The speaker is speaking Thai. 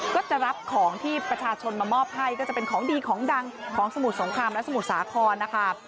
ก็จะรับของที่ประชาชนมามอบให้ก็จะเป็นของดีของดังของสมุทรสงครามและสมุทรสาครนะคะ